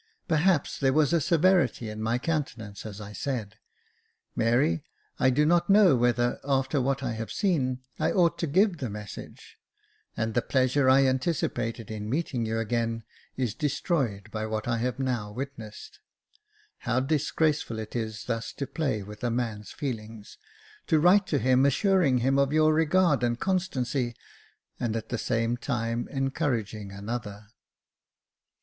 Perhaps there was a severity in my countenance as I said, " Mary, I do not know whether, after what I have seen, I ought to give the message ; and the pleasure I anticipated in meeting you again is destroyed by what I have now witnessed. How disgraceful is it thus to play with a man's feelings — to write to him, assuring him of your regard and constancy, and at the same time encouraging another."